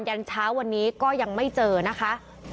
ันเช้าวันนี้ก็ยังไม่เจอนะคะ